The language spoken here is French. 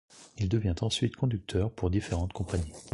Il devient ensuite conducteur pour différentes compagnies.